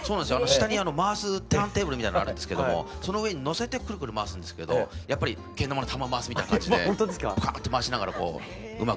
下にあの回すターンテーブルみたいのあるんですけどもその上にのせてくるくる回すんですけどやっぱりけん玉の球を回すみたいな感じでパーッと回しながらこううまく塗れましたね。